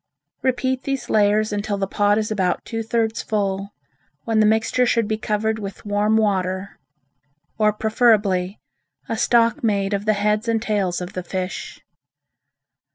Repeat these layers until the pot is about two thirds full, when the mixture should be covered with warm water, or preferably a stock made of the heads and tails of the fish.